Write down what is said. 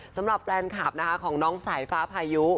สำหรับแฟนคลับนะคะของน้องสายฟ้าพายุ